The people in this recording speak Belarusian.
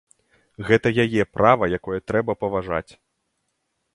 Гэта яе права, якое трэба паважаць.